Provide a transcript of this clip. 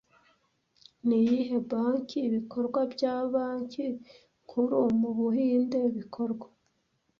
Niyihe banki ibikorwa bya banki nkuru mubuhinde bikorwa